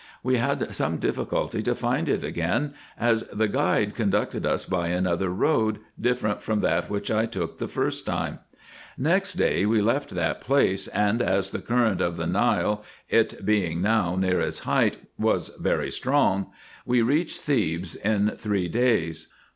We had some difficulty to find it again, as the guide conducted us by another road, dif ferent from that which I took the first time. Next day we left IN EGYPT, NUBIA, &c. 219 that place ; and as the current of the Nile (it being now near its height) was very strong, we reached Thebes in three days.